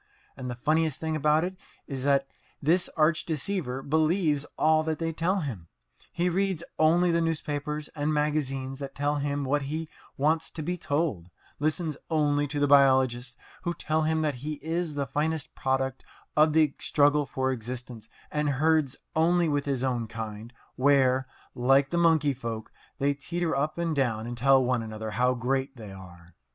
And the funniest thing about it is that this arch deceiver believes all that they tell him. He reads only the newspapers and magazines that tell him what he wants to be told, listens only to the biologists who tell him that he is the finest product of the struggle for existence, and herds only with his own kind, where, like the monkey folk, they teeter up and down and tell one another how great they are.